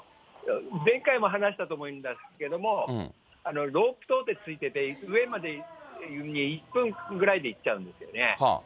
前回も話したと思うんですけれども、ロープとうでついてて、上まで１分ぐらいで行っちゃうんですよね。